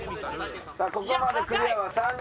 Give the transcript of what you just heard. さあここまでクリアは３人。